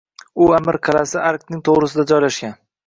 U amir qal’asi Arkning to‘g‘risida joylashgan